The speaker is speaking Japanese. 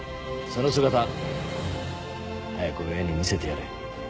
その姿早く親に見せてやれ。